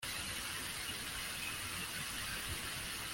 niki gukora nicyo utekereza